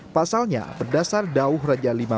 pasalnya berdasar dauh raja lima